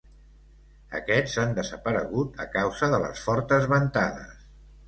Aquests han desaparegut a causa de les fortes ventades.